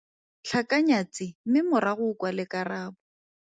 Tlhakanya tse mme morago o kwale karabo.